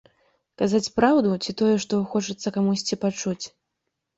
Казаць праўду ці тое, што хочацца камусьці пачуць.